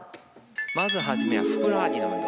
まず初めはふくらはぎの運動です。